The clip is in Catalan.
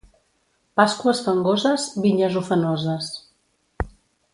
Pasqües fangoses, vinyes ufanoses.